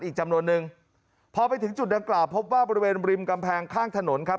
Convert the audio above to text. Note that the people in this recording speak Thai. อีกจำนวนนึงพอไปถึงจุดดังกล่าวพบว่าบริเวณริมกำแพงข้างถนนครับ